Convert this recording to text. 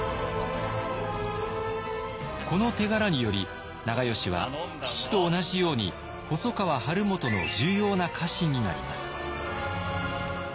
この手柄により長慶は父と同じように細川晴元の重要な家臣になります。